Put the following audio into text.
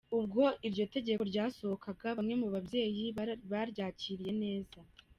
Ubwo iryo tegeko ryasohokaga, bamwe mu babyeyi baryakiriye neza